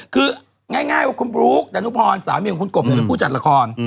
คือง่ายว่าคุณบลุ๊กดานุพรสามีของคุณกบเป็นผู้จัดละคร